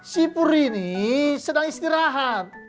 si pur ini sedang istirahat